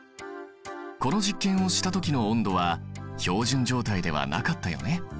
この実験をしたときの温度は標準状態ではなかったよね。